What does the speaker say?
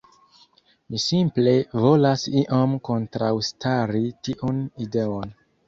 Mi simple volas iom kontraŭstari tiun ideon.